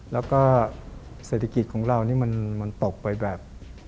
แล้วก็เศรษฐกิจของเรานี่มันตกไปแบบ